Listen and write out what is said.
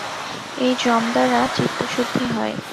এই যম দ্বারা চিত্তশুদ্ধি হয়।